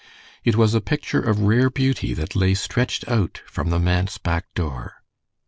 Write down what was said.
It was a picture of rare beauty that lay stretched out from the manse back door.